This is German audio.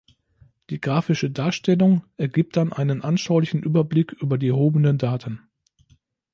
Die graphische Darstellung ergibt dann einen anschaulichen Überblick über die erhobenen Daten.